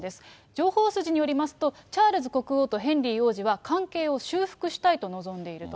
情報筋によりますと、チャールズ国王とヘンリー王子は関係を修復したいと望んでいると。